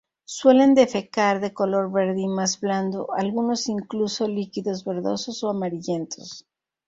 Suelen defecar de color verde y más blando, algunos incluso líquidos verdosos o amarillentos.